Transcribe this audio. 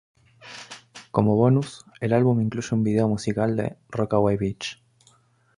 Como bonus, el álbum incluye un video musical de "Rockaway Beach".